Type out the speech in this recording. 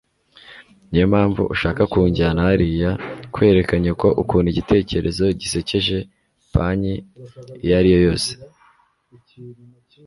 Niyompamvu ushaka kunjyana hariya - kwereka nyoko ukuntu igitekerezo gisekeje panki iyo ari yo yose?